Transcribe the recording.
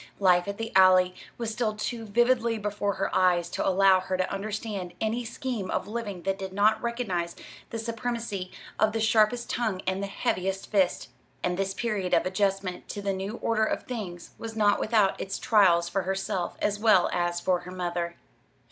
Life at the Alley was still too vividly before her eyes to allow her to understand any scheme of living that did not recognize the supremacy of the sharpest tongue and the heaviest fist; and this period of adjustment to the new order of things was not without its trials for herself as well as for her mother.